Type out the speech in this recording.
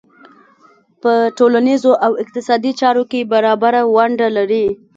په ټولنیزو او اقتصادي چارو کې برابره ونډه لري.